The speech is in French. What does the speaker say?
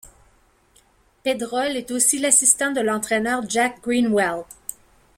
Pedrol est aussi l'assistant de l'entraîneur Jack Greenwell.